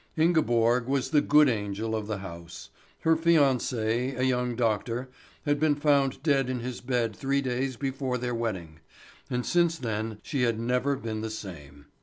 Ingeborg was the good angel of the house. Her fiancé, a young doctor, had been found dead in his bed three days before their wedding, and since then she had never been the same.